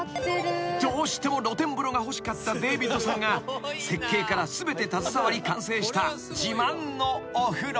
［どうしても露天風呂が欲しかったデービッドさんが設計から全て携わり完成した自慢のお風呂］